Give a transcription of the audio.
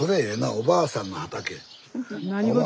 おばあさんの畑。